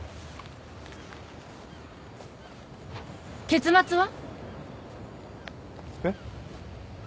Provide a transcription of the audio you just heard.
結末は？えっ？